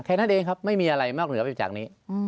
แค่นั้นเองครับไม่มีอะไรนอกเหนือไปจากนี้